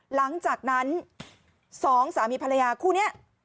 หลังจากนั้นสองสามีภรรยาคู่นี้